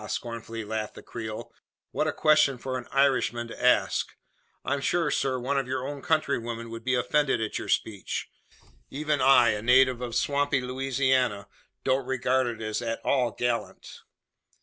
scornfully laughed the Creole. "What a question for an Irishman to ask! I'm sure, sir, one of your own countrywomen would be offended at your speech. Even I, a native of swampy Louisiana, don't regard it as at all gallant.